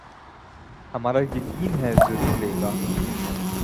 ہمارا یقین ہے ضرور لیگا